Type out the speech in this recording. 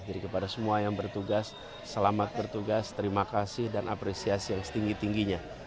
jadi kepada semua yang bertugas selamat bertugas terima kasih dan apresiasi yang setinggi tingginya